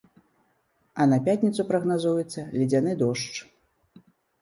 А на пятніцу прагназуецца ледзяны дождж.